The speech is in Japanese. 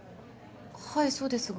はいそうですが。